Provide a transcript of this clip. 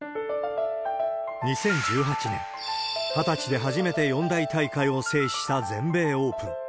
２０１８年、２０歳で初めて四大大会を制した全米オープン。